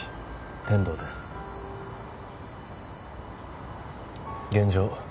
天堂です現状